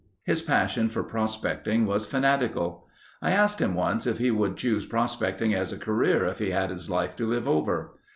His passion for prospecting was fanatical. I asked him once if he would choose prospecting as a career if he had his life to live over.